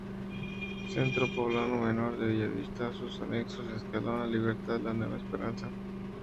Centro Poblado menor de Bellavista, sus anexos: Escalón, La Libertad, La nueva Esperanza.